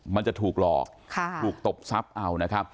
มันจะถูกหลอกถูกตบทรัพย์เอานะครับ